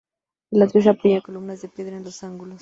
El atrio se apoya en columnas de piedra en los ángulos.